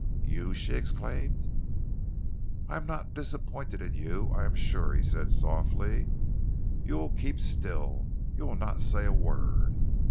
"You?" she exclaimed. "I am not disappointed in you, I am sure," he said softly. "You will keep still. You will not say a word.